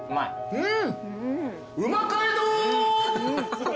うん！